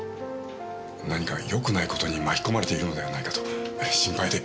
何かよくない事に巻き込まれているのではないかと心配で。